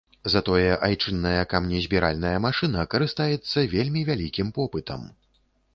Затое айчынная каменезбіральная машына карыстаецца вельмі вялікім попытам.